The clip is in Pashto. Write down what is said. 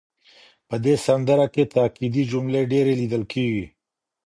په دې سندره کې تاکېدي جملې ډېرې لیدل کېږي.